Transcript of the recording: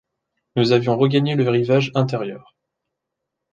nous avions regagné le rivage intérieur.